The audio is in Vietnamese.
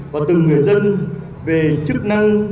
và từng người dân về chức năng